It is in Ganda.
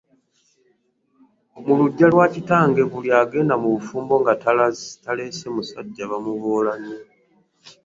Mu luggya lwa kitange buli agenda mu bufumbo nga taleese musajja bamuboola nnyo.